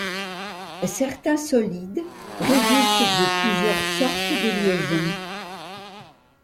Certains solides résultent de plusieurs sortes de liaisons.